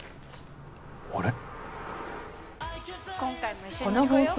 あれ？